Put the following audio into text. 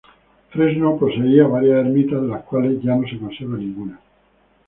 Fresno poseía varias ermitas de las cuales ya no se conserva ninguna.